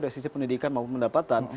dari sisi pendidikan maupun pendapatan